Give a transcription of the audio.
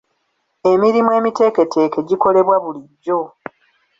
Emirimu emiteeketeeke gikolebwa bulijjo.